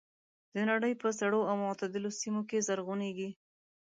د نړۍ په سړو او معتدلو سیمو کې زرغونېږي.